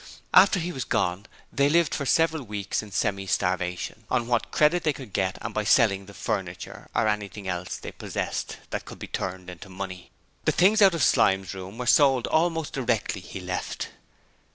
After he was gone they lived for several weeks in semi starvation on what credit they could get and by selling the furniture or anything else they possessed that could be turned into money. The things out of Slyme's room were sold almost directly he left.